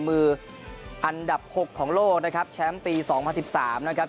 มืออันดับ๖ของโลกนะครับแชมป์ปี๒๐๑๓นะครับ